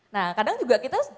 nah kadang juga kita